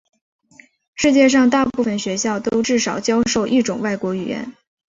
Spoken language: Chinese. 世界上大部分学校都至少教授一种外国语言。